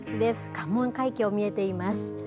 関門海峡、見えています。